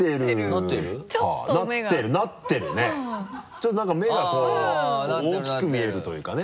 ちょっとなんか目がこう大きく見えるというかね。